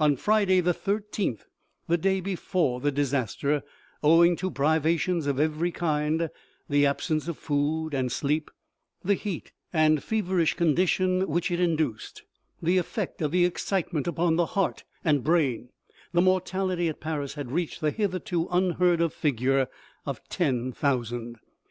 On Friday, the I3th, the day before the dis aster, owing to privations of every kind, the absence of food and sleep, the heat and feverish condition which it induced, the effect of the excitement upon the heart and brain, the mortality at Paris had reached the hitherto unheard of figure of ten thousand